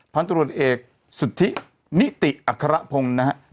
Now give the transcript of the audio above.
พันธุรกิจเอกสุทธินิติอัครพงศ์นะฮะ